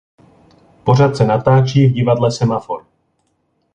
Pořad se natáčí v divadle Semafor.